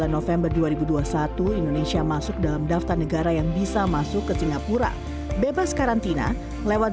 november dua ribu dua puluh satu indonesia masuk dalam daftar negara yang bisa masuk ke singapura bebas karantina lewat